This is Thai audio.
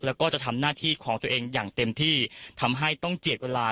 แล้วก็จะทำหน้าที่ของตัวเองอย่างเต็มที่ทำให้ต้องเจียดเวลา